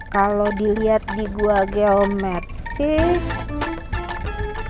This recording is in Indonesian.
kalau dilihat di gua geometsik